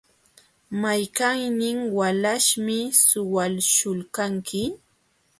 ¿Mayqannin walaśhmi suwaśhulqanki?